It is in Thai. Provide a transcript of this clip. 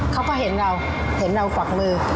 เขาก็เห็นเราเห็นเราฝักมือ